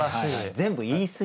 全部言いすぎ。